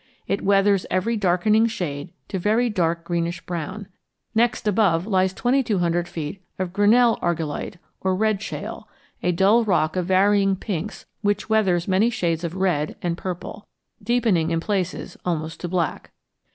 It weathers every darkening shade to very dark greenish brown. Next above that lies twenty two hundred feet of Grinnell argillite, or red shale, a dull rock of varying pinks which weathers many shades of red and purple, deepening in places almost to black.